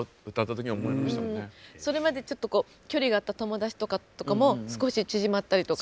それまでちょっと距離があった友達とかとも少し縮まったりとか。